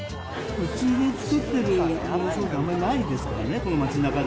うちで作ってる商品があんまないですからね、この町なかで。